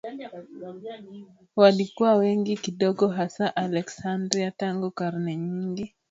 walikuwa wengi kidogo Hasa Aleksandria tangu karne nyingi waliishi